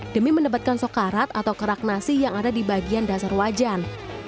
demi mendapatkan sokarat atau kerak nasi yang ada di bagian dasar wajan